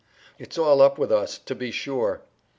It's all up with us, to be sure!"